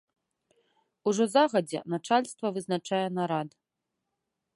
Ужо загадзя начальства вызначае нарад.